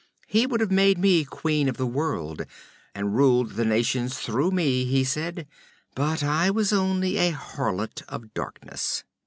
He would have made me queen of the world and ruled the nations through me, he said, but I was only a harlot of darkness.